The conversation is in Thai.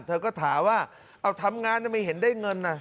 เธอก็ถามว่าเอาทำงานทำไมเห็นได้เงินน่ะ